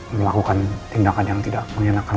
melakukan tindakan yang tidak mengenakan